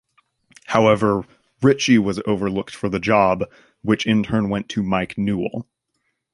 However Ritchie was overlooked for the job which in turn went to Mike Newell.